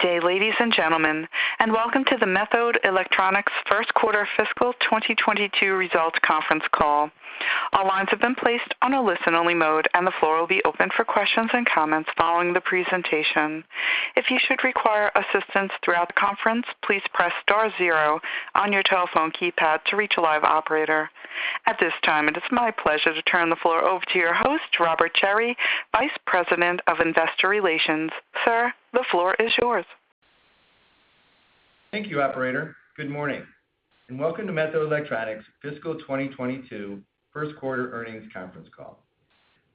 Good day, ladies and gentlemen, and welcome to the Methode Electronics first quarter fiscal 2022 results conference call. All lines have been placed on a listen-only mode, and the floor will be open for questions and comments following the presentation. If you should require assistance throughout the conference, please press star zero on your telephone keypad to reach a live operator. At this time, it is my pleasure to turn the floor over to your host, Rob Cherry, Vice President of Investor Relations. Sir, the floor is yours. Thank you, operator. Good morning, and welcome to Methode Electronics fiscal 2022 first quarter earnings conference call.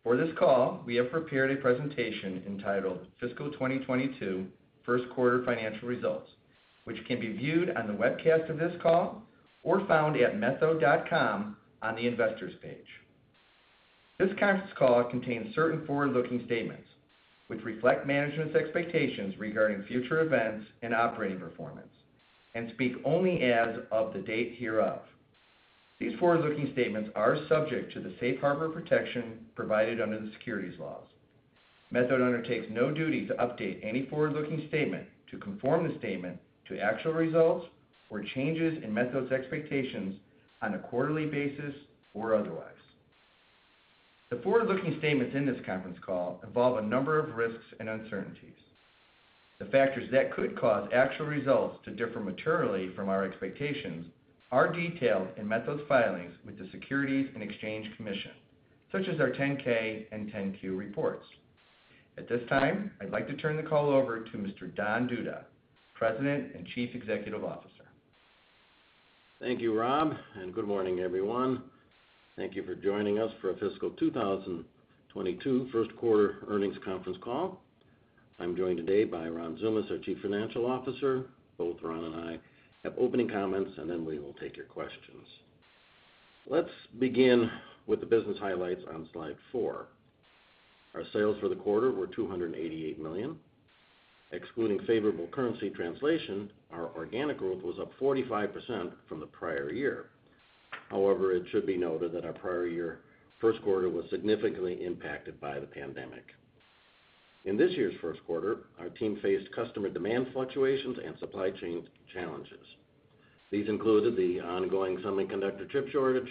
For this call, we have prepared a presentation entitled Fiscal 2022 First Quarter Financial Results, which can be viewed on the webcast of this call or found at methode.com on the Investors page. This conference call contains certain forward-looking statements which reflect management's expectations regarding future events and operating performance, and speak only as of the date hereof. These forward-looking statements are subject to the Safe Harbor protection provided under the securities laws. Methode undertakes no duty to update any forward-looking statement to conform the statement to actual results or changes in Methode's expectations on a quarterly basis or otherwise. The forward-looking statements in this conference call involve a number of risks and uncertainties. The factors that could cause actual results to differ materially from our expectations are detailed in Methode's filings with the Securities and Exchange Commission, such as our 10-K and 10-Q reports. At this time, I'd like to turn the call over to Mr. Don Duda, President and Chief Executive Officer. Thank you, Rob, and good morning, everyone. Thank you for joining us for our fiscal 2022 first quarter earnings conference call. I'm joined today by Ron Tsoumas, our Chief Financial Officer. Both Ron and I have opening comments, and then we will take your questions. Let's begin with the business highlights on Slide 4. Our sales for the quarter were $288 million. Excluding favorable currency translation, our organic growth was up 45% from the prior year. However, it should be noted that our prior year first quarter was significantly impacted by the pandemic. In this year's first quarter, our team faced customer demand fluctuations and supply chain challenges. These included the ongoing semiconductor chip shortage,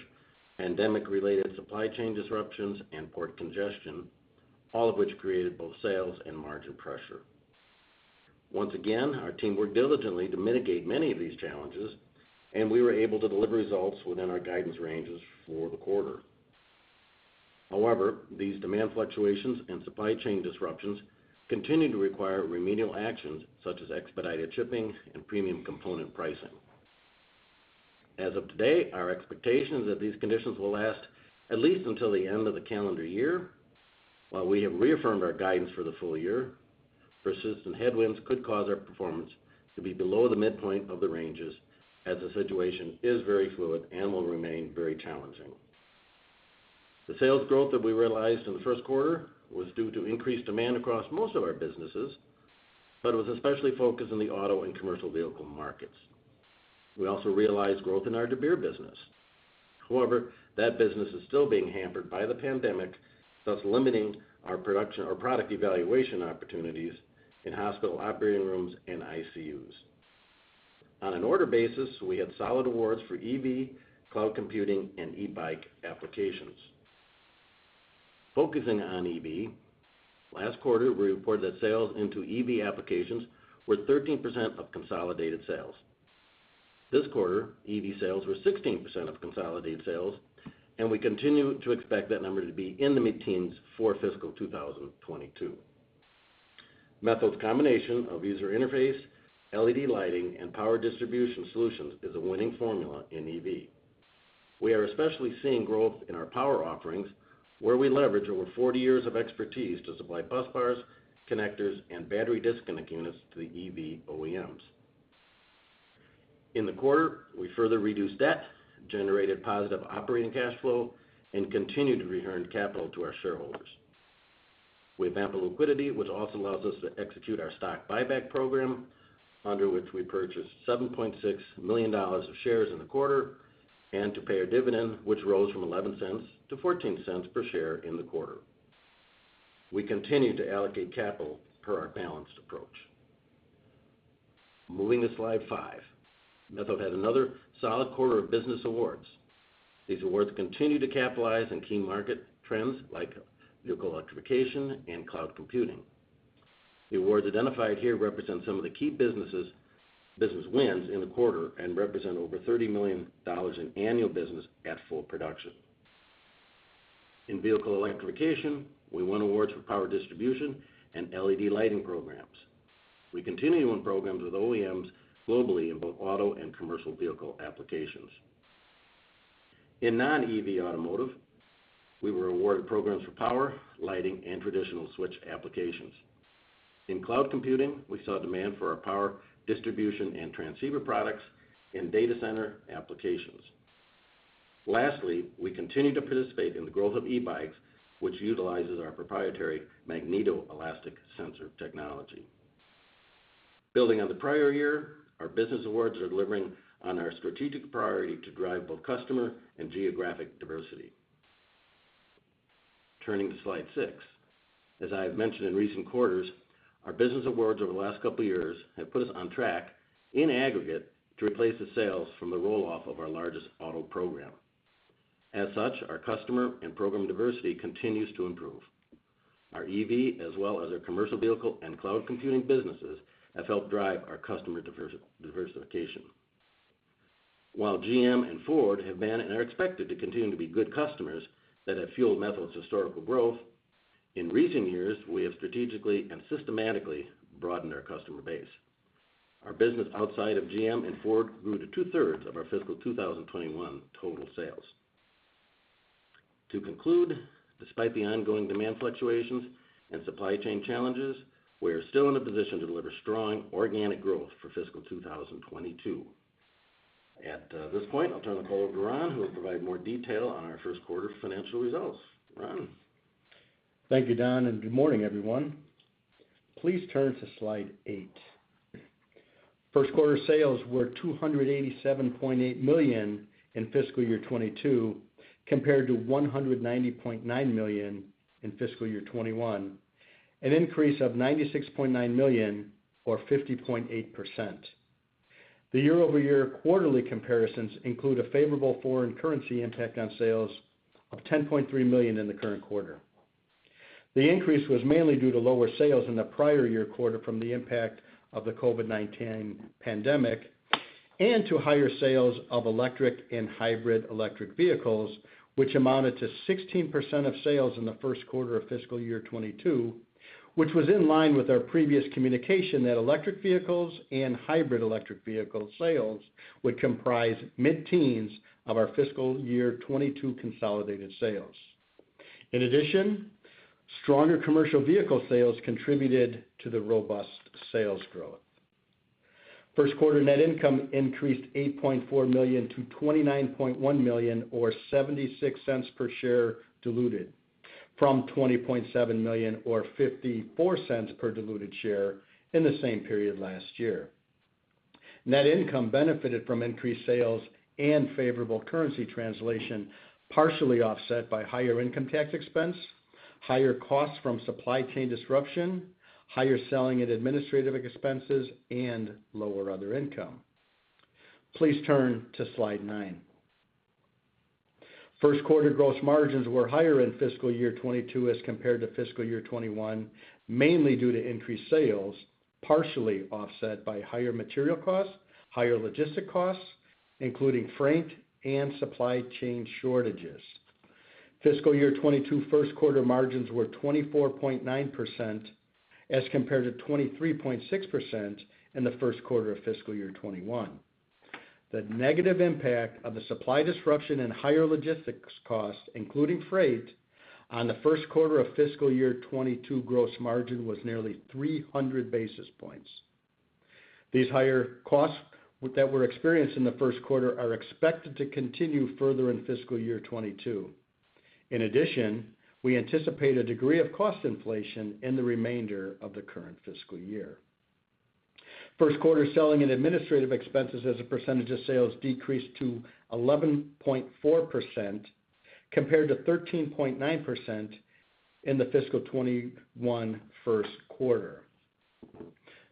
pandemic-related supply chain disruptions, and port congestion, all of which created both sales and margin pressure. Once again, our team worked diligently to mitigate many of these challenges, and we were able to deliver results within our guidance ranges for the quarter. However, these demand fluctuations and supply chain disruptions continue to require remedial actions such as expedited shipping and premium component pricing. As of today, our expectation is that these conditions will last at least until the end of the calendar year. While we have reaffirmed our guidance for the full year, persistent headwinds could cause our performance to be below the midpoint of the ranges as the situation is very fluid and will remain very challenging. The sales growth that we realized in the first quarter was due to increased demand across most of our businesses, but it was especially focused on the auto and commercial vehicle markets. We also realized growth in our Dabir business. However, that business is still being hampered by the pandemic, thus limiting our product evaluation opportunities in hospital operating rooms and ICUs. On an order basis, we had solid awards for EV, cloud computing, and e-bike applications. Focusing on EV, last quarter we reported that sales into EV applications were 13% of consolidated sales. This quarter, EV sales were 16% of consolidated sales, and we continue to expect that number to be in the mid-teens for fiscal 2022. Methode's combination of user interface, LED lighting, and power distribution solutions is a winning formula in EV. We are especially seeing growth in our power offerings, where we leverage over 40 years of expertise to supply busbars, connectors, and battery disconnect units to the EV OEMs. In the quarter, we further reduced debt, generated positive operating cash flow, and continued to return capital to our shareholders. We have ample liquidity, which also allows us to execute our stock buyback program, under which we purchased $7.6 million of shares in the quarter, and to pay a dividend, which rose from $0.11 to $0.14 per share in the quarter. We continue to allocate capital per our balanced approach. Moving to slide 5. Methode had another solid quarter of business awards. These awards continue to capitalize on key market trends like vehicle electrification and cloud computing. The awards identified here represent some of the key business wins in the quarter and represent over $30 million in annual business at full production. In vehicle electrification, we won awards for power distribution and LED lighting programs. We continue to win programs with OEMs globally in both auto and commercial vehicle applications. In non-EV automotive, we were awarded programs for power, lighting, and traditional switch applications. In cloud computing, we saw demand for our power distribution and transceiver products in data center applications. Lastly, we continue to participate in the growth of e-bikes, which utilizes our proprietary magnetoelastic sensor technology. Building on the prior year, our business awards are delivering on our strategic priority to drive both customer and geographic diversity. Turning to Slide 6. As I have mentioned in recent quarters, our business awards over the last couple of years have put us on track, in aggregate, to replace the sales from the roll-off of our largest auto program. As such, our customer and program diversity continues to improve. Our EV as well as our commercial vehicle and cloud computing businesses have helped drive our customer diversification. While GM and Ford have been, and are expected to continue to be good customers that have fueled Methode's historical growth, in recent years, we have strategically and systematically broadened our customer base. Our business outside of GM and Ford grew to two-thirds of our fiscal 2021 total sales. To conclude, despite the ongoing demand fluctuations and supply chain challenges, we are still in a position to deliver strong organic growth for fiscal 2022. At this point, I'll turn the call over to Ron, who will provide more detail on our first quarter financial results. Ron? Thank you, Don. Good morning, everyone. Please turn to Slide 8. First quarter sales were $287.8 million in fiscal year 2022, compared to $190.9 million in fiscal year 2021, an increase of $96.9 million or 50.8%. The year-over-year quarterly comparisons include a favorable foreign currency impact on sales of $10.3 million in the current quarter. The increase was mainly due to lower sales in the prior year quarter from the impact of the COVID-19 pandemic and to higher sales of electric and hybrid electric vehicles, which amounted to 16% of sales in the first quarter of fiscal year 2022, which was in line with our previous communication that electric vehicles and hybrid electric vehicle sales would comprise mid-teens of our fiscal year 2022 consolidated sales. In addition, stronger commercial vehicle sales contributed to the robust sales growth. First quarter net income increased $8.4 million to $29.1 million, or $0.76 per share diluted, from $20.7 million or $0.54 per diluted share in the same period last year. Net income benefited from increased sales and favorable currency translation, partially offset by higher income tax expense, higher costs from supply chain disruption, higher selling and administrative expenses, and lower other income. Please turn to Slide 9. First quarter gross margins were higher in fiscal year 2022 as compared to fiscal year 2021, mainly due to increased sales, partially offset by higher material costs, higher logistic costs, including freight and supply chain shortages. Fiscal year 2022 first quarter margins were 24.9% as compared to 23.6% in the first quarter of fiscal year 2021. The negative impact of the supply disruption and higher logistics costs, including freight, on the first quarter of fiscal year 2022 gross margin was nearly 300 basis points. These higher costs that were experienced in the first quarter are expected to continue further in fiscal year 2022. We anticipate a degree of cost inflation in the remainder of the current fiscal year. First quarter selling and administrative expenses as a percentage of sales decreased to 11.4%, compared to 13.9% in the fiscal 2021 first quarter.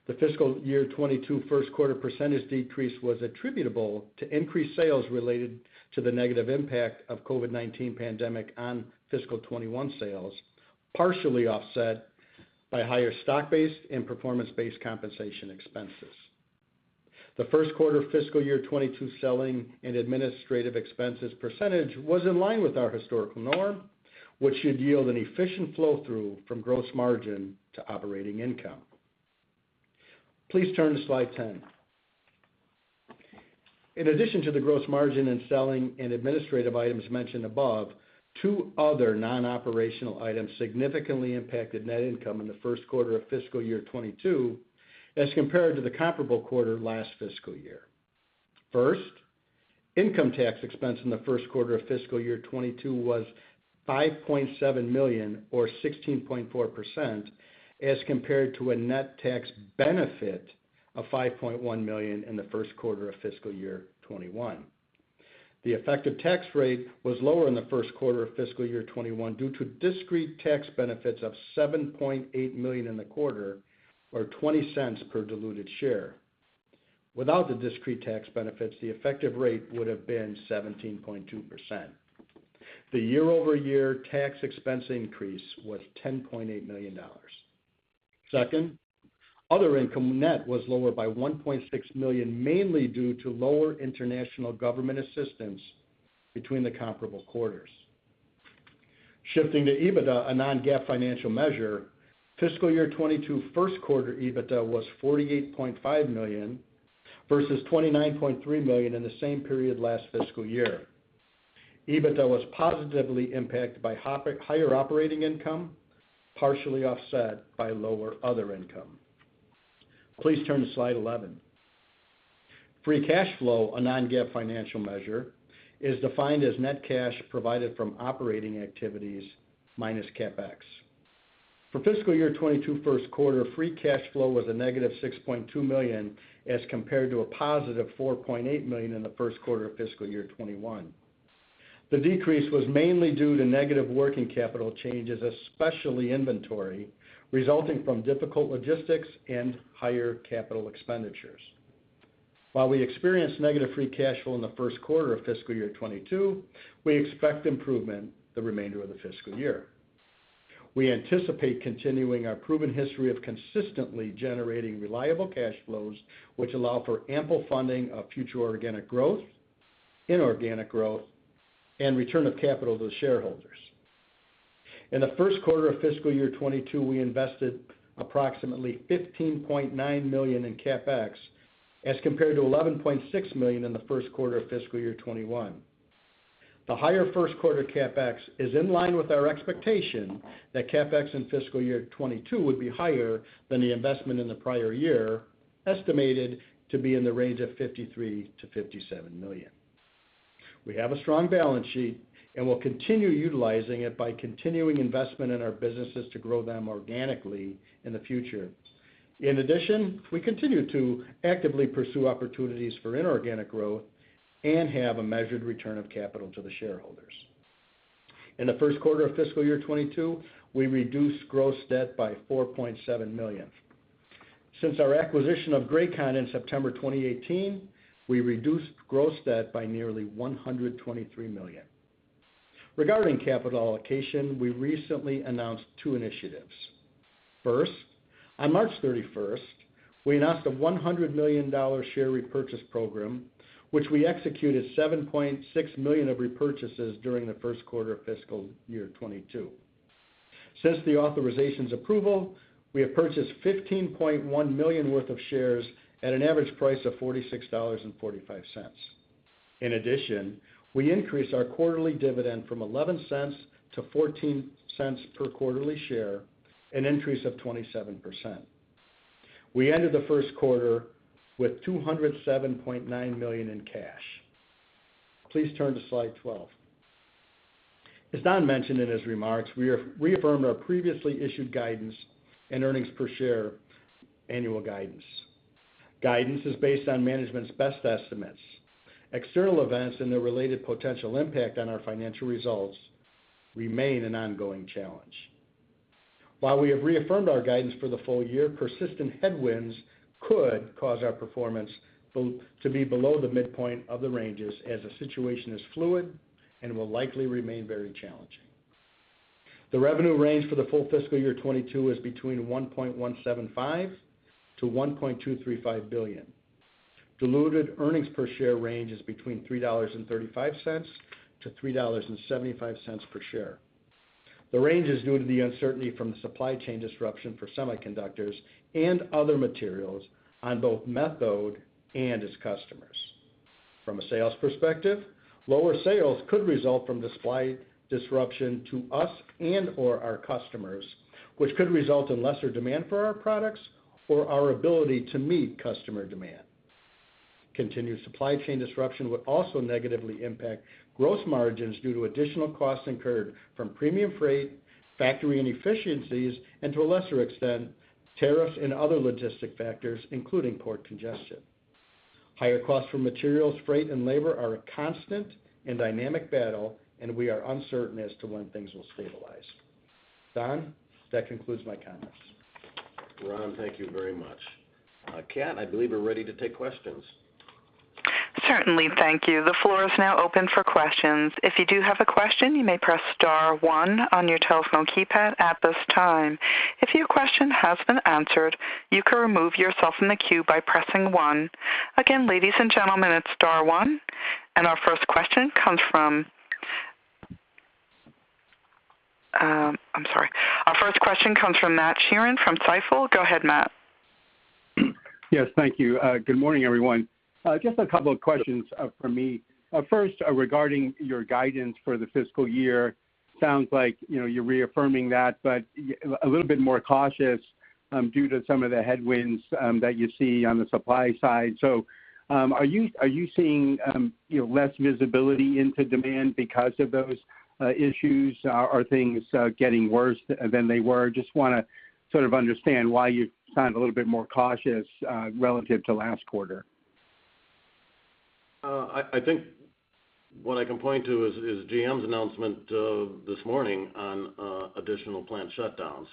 The fiscal year 2022 first quarter percentage decrease was attributable to increased sales related to the negative impact of COVID-19 pandemic on fiscal 2021 sales, partially offset by higher stock-based and performance-based compensation expenses. The first quarter fiscal year 2022 selling and administrative expenses % was in line with our historical norm, which should yield an efficient flow-through from gross margin to operating income. Please turn to Slide 10. In addition to the gross margin and selling and administrative items mentioned above, two other non-operational items significantly impacted net income in the first quarter of fiscal year 2022 as compared to the comparable quarter last fiscal year. First, income tax expense in the first quarter of fiscal year 2022 was $5.7 million, or 16.4%, as compared to a net tax benefit of $5.1 million in the first quarter of fiscal year 2021. The effective tax rate was lower in the first quarter of fiscal year 2021 due to discrete tax benefits of $7.8 million in the quarter, or $0.20 per diluted share. Without the discrete tax benefits, the effective rate would have been 17.2%. The year-over-year tax expense increase was $10.8 million. Second, other income net was lower by $1.6 million, mainly due to lower international government assistance between the comparable quarters. Shifting to EBITDA, a non-GAAP financial measure, fiscal year 2022 first quarter EBITDA was $48.5 million versus $29.3 million in the same period last fiscal year. EBITDA was positively impacted by higher operating income, partially offset by lower other income. Please turn to Slide 11. Free cash flow, a non-GAAP financial measure, is defined as net cash provided from operating activities minus CapEx. For fiscal year 2022 first quarter, free cash flow was a negative $6.2 million as compared to a positive $4.8 million in the first quarter of fiscal year 2021. The decrease was mainly due to negative working capital changes, especially inventory, resulting from difficult logistics and higher capital expenditures. While we experienced negative free cash flow in the first quarter of fiscal year 2022, we expect improvement the remainder of the fiscal year. We anticipate continuing our proven history of consistently generating reliable cash flows, which allow for ample funding of future organic growth, inorganic growth, and return of capital to shareholders. In the first quarter of fiscal year 2022, we invested approximately $15.9 million in CapEx as compared to $11.6 million in the first quarter of fiscal year 2021. The higher first quarter CapEx is in line with our expectation that CapEx in fiscal year 2022 would be higher than the investment in the prior year, estimated to be in the range of $53 million-$57 million. We have a strong balance sheet, and we'll continue utilizing it by continuing investment in our businesses to grow them organically in the future. We continue to actively pursue opportunities for inorganic growth and have a measured return of capital to the shareholders. In the first quarter of fiscal year 2022, we reduced gross debt by $4.7 million. Since our acquisition of Grakon in September 2018, we reduced gross debt by nearly $123 million. Regarding capital allocation, we recently announced two initiatives. First, on March 31st, we announced a $100 million share repurchase program, which we executed $7.6 million of repurchases during the first quarter of fiscal year 2022. Since the authorization's approval, we have purchased $15.1 million worth of shares at an average price of $46.45. We increased our quarterly dividend from $0.11 to $0.14 per quarterly share, an increase of 27%. We ended the first quarter with $207.9 million in cash. Please turn to Slide 12. As Don mentioned in his remarks, we reaffirmed our previously issued guidance and earnings per share annual guidance. Guidance is based on management's best estimates. External events and their related potential impact on our financial results remain an ongoing challenge. While we have reaffirmed our guidance for the full year, persistent headwinds could cause our performance to be below the midpoint of the ranges as the situation is fluid and will likely remain very challenging. The revenue range for the full fiscal year 2022 is between $1.175 billion and $1.235 billion. Diluted earnings per share range is between $3.35 and $3.75 per share. The range is due to the uncertainty from the supply chain disruption for semiconductors and other materials on both Methode and its customers. From a sales perspective, lower sales could result from the supply disruption to us and/or our customers, which could result in lesser demand for our products or our ability to meet customer demand. Continued supply chain disruption would also negatively impact gross margins due to additional costs incurred from premium freight, factory inefficiencies, and to a lesser extent, tariffs and other logistic factors, including port congestion. Higher costs for materials, freight, and labor are a constant and dynamic battle. We are uncertain as to when things will stabilize. Don, that concludes my comments. Ron, thank you very much. Ken, I believe we're ready to take questions. Certainly. Thank you. The floor is now open for questions. If you do have a question, you may press star one on your telephone keypad at this time. If your question has been answered, you can remove yourself from the queue by pressing one. Again, ladies and gentlemen, it's star one. Our first question comes from I'm sorry. Our first question comes from Matt Sheerin from Stifel. Go ahead, Matt. Yes, thank you. Good morning, everyone. Just a couple of questions, for me. First, regarding your guidance for the fiscal year, sounds like you're reaffirming that, but a little bit more cautious due to some of the headwinds that you see on the supply side. Are you seeing less visibility into demand because of those issues? Are things getting worse than they were? Just want to sort of understand why you sound a little bit more cautious relative to last quarter. I think what I can point to is GM's announcement this morning on additional plant shutdowns.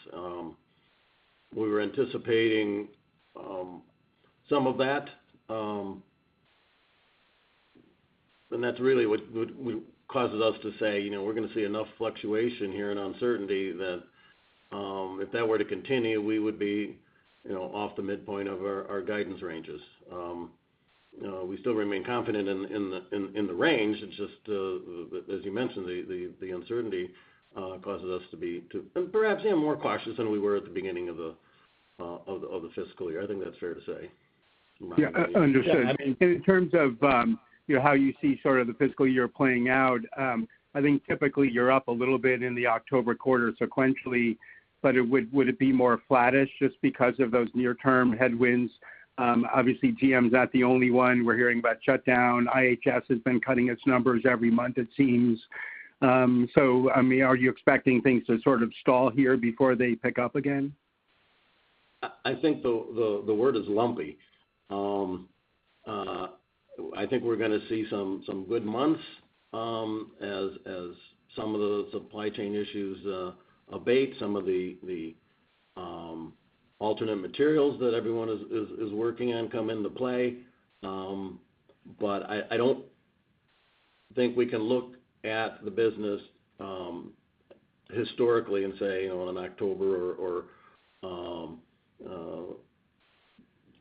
That's really what causes us to say we're going to see enough fluctuation here and uncertainty that if that were to continue, we would be off the midpoint of our guidance ranges. We still remain confident in the range. It's just as you mentioned, the uncertainty causes us to be perhaps more cautious than we were at the beginning of the fiscal year. I think that's fair to say. Yeah. Understood. Yeah. I mean. In terms of how you see sort of the fiscal year playing out, I think typically you're up a little bit in the October quarter sequentially, would it be more flattish just because of those near-term headwinds? Obviously, GM's not the only one. We're hearing about shutdown. IHS has been cutting its numbers every month it seems. Are you expecting things to sort of stall here before they pick up again? I think the word is lumpy. I think we're going to see some good months as some of the supply chain issues abate, some of the alternate materials that everyone is working on come into play. I don't think we can look at the business historically and say, in October or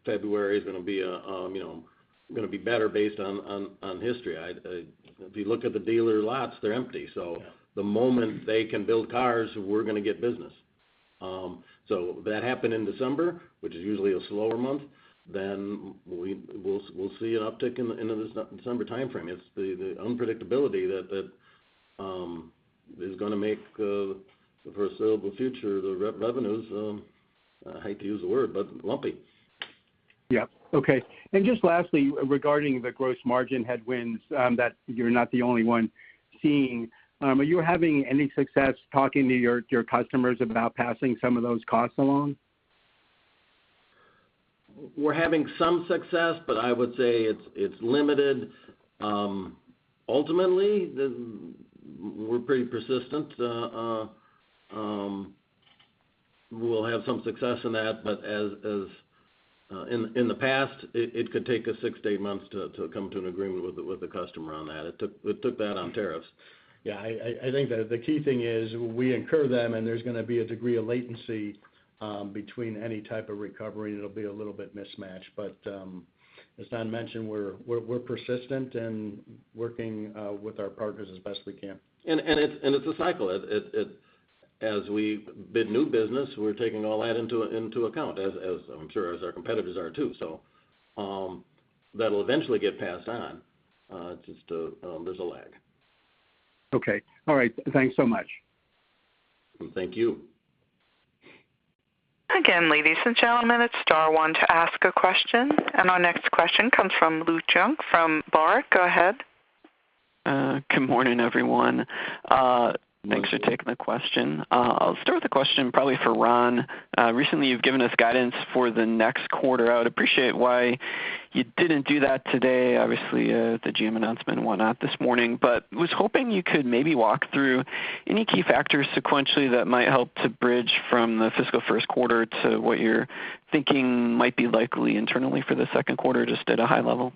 February is going to be better based on history. If you look at the dealer lots, they're empty. The moment they can build cars, we're going to get business. That happened in December, which is usually a slower month, then we'll see an uptick in the December timeframe. It's the unpredictability that is going to make the foreseeable future, the revenues, I hate to use the word, but lumpy. Yep. Okay. Just lastly, regarding the gross margin headwinds that you're not the only one seeing, are you having any success talking to your customers about passing some of those costs along? We're having some success, but I would say it's limited. Ultimately, we're pretty persistent. We'll have some success in that, but as in the past, it could take us six to eight months to come to an agreement with the customer on that. It took that on tariffs. Yeah, I think that the key thing is we incur them and there's going to be a degree of latency between any type of recovery, and it'll be a little bit mismatched. As Don mentioned, we're persistent in working with our partners as best we can. It's a cycle. As we bid new business, we're taking all that into account, as I'm sure as our competitors are too. That'll eventually get passed on. Just there's a lag. Okay. All right. Thanks so much. Thank you. Again, ladies and gentlemen, it's star one to ask a question, and our next question comes from Luke Junk from Baird. Go ahead. Good morning, everyone. Thanks for taking the question. I'll start with a question probably for Ron. Recently, you've given us guidance for the next quarter. I would appreciate why you didn't do that today. The GM announcement and whatnot this morning. Was hoping you could maybe walk through any key factors sequentially that might help to bridge from the fiscal first quarter to what you're thinking might be likely internally for the second quarter, just at a high level.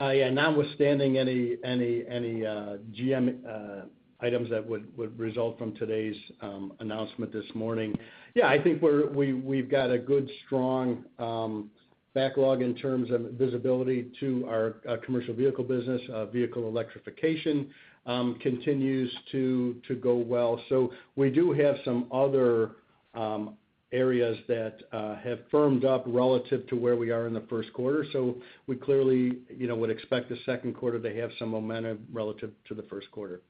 Notwithstanding any GM items that would result from today's announcement this morning. I think we've got a good, strong backlog in terms of visibility to our commercial vehicle business. Vehicle electrification continues to go well. We do have some other areas that have firmed up relative to where we are in the first quarter. We clearly would expect the second quarter to have some momentum relative to the first quarter.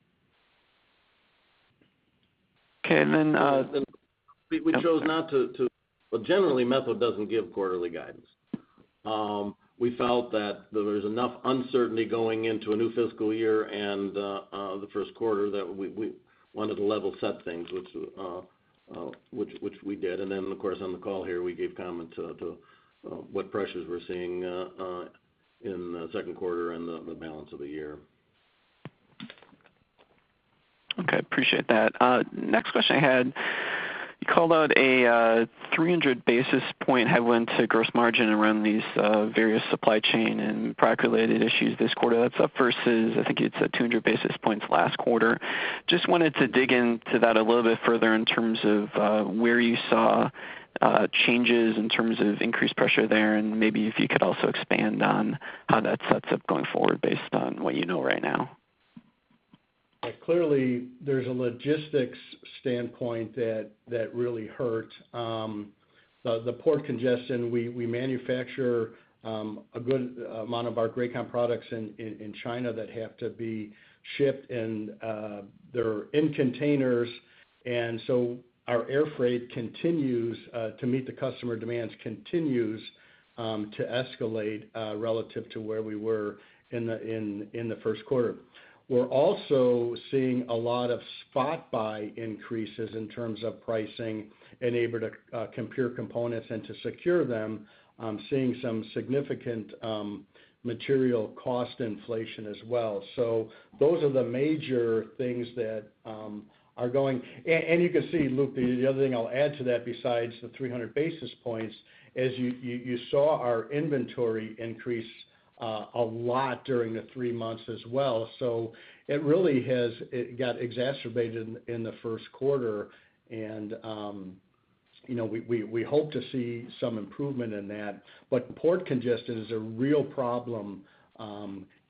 Okay. Well, generally, Methode doesn't give quarterly guidance. We felt that there was enough uncertainty going into a new fiscal year and the first quarter that we wanted to level set things, which we did, and then of course on the call here we gave comment to what pressures we're seeing in the second quarter and the balance of the year. Okay. Appreciate that. Next question I had, you called out a 300-basis point headwind to gross margin around these various supply chain and product-related issues this quarter. That's up versus, I think you'd said 200 basis points last quarter. Just wanted to dig into that a little bit further in terms of where you saw changes, in terms of increased pressure there, and maybe if you could also expand on how that sets up going forward based on what you know right now. Clearly, there's a logistics standpoint that really hurt. The port congestion, we manufacture a good amount of our Grakon products in China that have to be shipped, and they're in containers. Our air freight continues to meet the customer demands, continues to escalate relative to where we were in the first quarter. We're also seeing a lot of spot buy increases in terms of pricing, and able to compare components and to secure them, seeing some significant material cost inflation as well. Those are the major things that are going. You can see, Luke, the other thing I'll add to that besides the 300 basis points, is you saw our inventory increase a lot during the three months as well. It really has got exacerbated in the first quarter and we hope to see some improvement in that. Port congestion is a real problem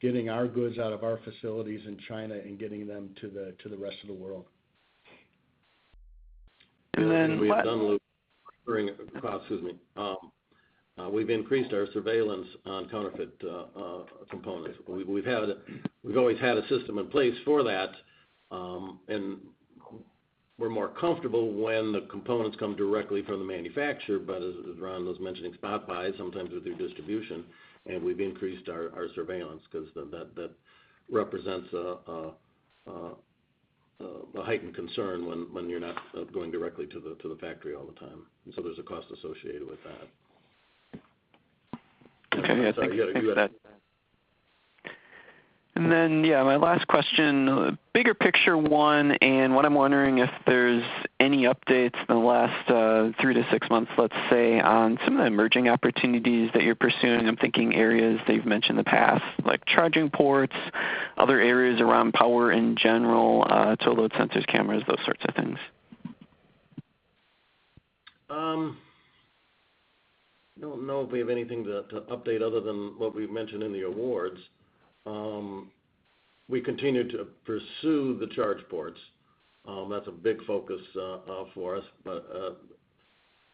getting our goods out of our facilities in China and getting them to the rest of the world. And then- We've increased our surveillance on counterfeit components. We've always had a system in place for that, and we're more comfortable when the components come directly from the manufacturer, but as Ron was mentioning, spot buys sometimes with their distribution, and we've increased our surveillance because that represents a heightened concern when you're not going directly to the factory all the time. There's a cost associated with that. Okay. Sorry. Yeah, my last question, bigger picture one, and what I'm wondering if there's any updates in the last three to six months, let's say, on some of the emerging opportunities that you're pursuing. I'm thinking areas that you've mentioned in the past, like charging ports, other areas around power in general, toll booth sensors, cameras, those sorts of things. I don't know if we have anything to update other than what we've mentioned in the awards. We continue to pursue the charge ports. That's a big focus for us.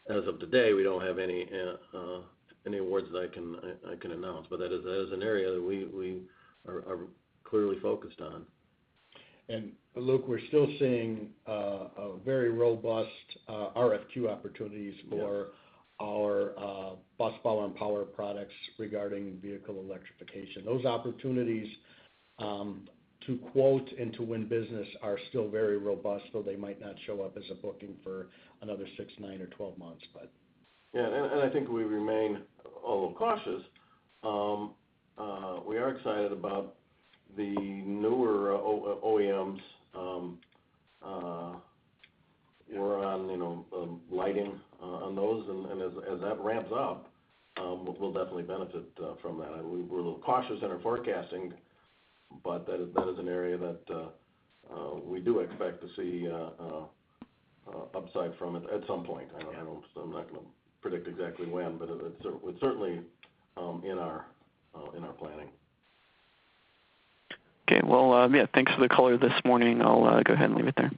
As of today, we don't have any awards that I can announce. That is an area that we are clearly focused on. Luke, we're still seeing very robust RFQ opportunities for our busbar products regarding vehicle electrification. Those opportunities, to quote and to win business, are still very robust, though they might not show up as a booking for another six, nine, or 12 months. Yeah. I think we remain a little cautious. We are excited about the newer OEMs around lighting on those. As that ramps up, we'll definitely benefit from that. We're a little cautious in our forecasting, but that is an area that we do expect to see upside from it at some point. I'm not going to predict exactly when, but it's certainly in our planning. Okay. Well, yeah, thanks for the color this morning. I'll go ahead and leave it there.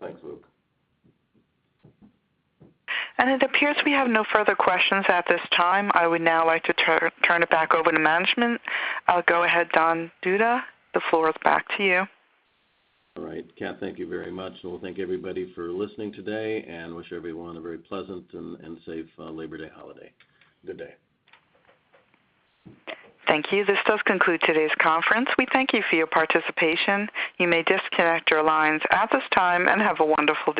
Thanks, Luke. It appears we have no further questions at this time. I would now like to turn it back over to management. Go ahead, Don Duda. The floor is back to you. All right. Luke Junk, thank you very much. We'll thank everybody for listening today and wish everyone a very pleasant and safe Labor Day holiday. Good day. Thank you. This does conclude today's conference. We thank you for your participation. You may disconnect your lines at this time, and have a wonderful day